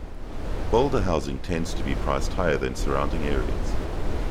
Boulder housing tends to be priced higher than surrounding areas.